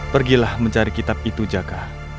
pergilah mencari kitab itu jaga